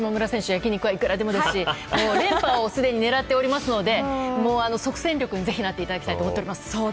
焼き肉はいくらでもですし連覇をすでに狙っておりますので即戦力にぜひなっていただきたいと思っております。